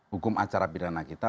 hukum acara pidana kita